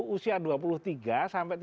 usia dua puluh tiga sampai tiga puluh lima